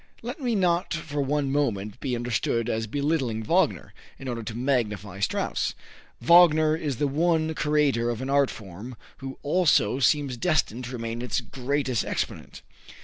Let me not for one moment be understood as belittling Wagner, in order to magnify Strauss. Wagner is the one creator of an art form who also seems destined to remain its greatest exponent.